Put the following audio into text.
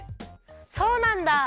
そうなんだ！